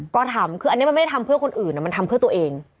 ก็ทำคืออันนี้มันไม่ได้ทำเพื่อคนอื่นมันทำเพื่อตัวเอง